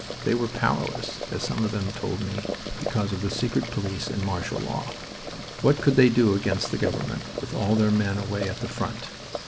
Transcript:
They were powerless, as some of them told me, because of the secret police and martial law. What could they do against the government, with all their men away at the front?